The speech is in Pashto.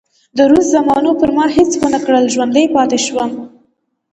د روس زامنو پر ما هېڅ ونه کړل، ژوندی پاتې شوم.